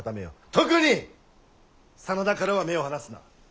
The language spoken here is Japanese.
特に真田からは目を離すな！